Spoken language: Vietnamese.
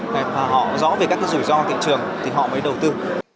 và họ rõ về các cái rủi ro thị trường thì họ mới đầu tư